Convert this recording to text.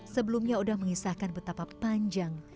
sebelumnya udah mengisahkan betapa panjang